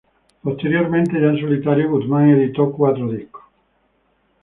Posteriormente, ya en solitario, Guzmán editó cuatro discos.